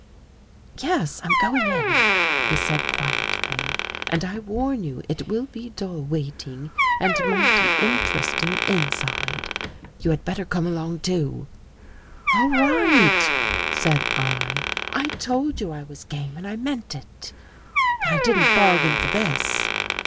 "" Yes, I'm going in," he said quietly, " and I warn you it will be dull waiting and mighty in teresting inside. You had better come along, too." " All right," said I. " I told you I was game and I meant it. But I didn't bargain for this."